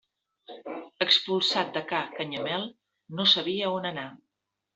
Expulsat de ca Canyamel, no sabia on anar.